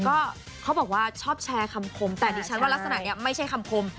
ก็เขาบอกว่าชอบแชร์คำคมแต่ดิฉันว่ารักษณะนี้ไม่ใช่คำคม